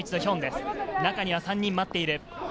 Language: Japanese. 中には３人待っている。